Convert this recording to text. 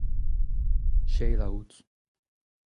Sheila out.